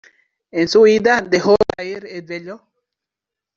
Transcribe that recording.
En su huida, dejó caer el velo.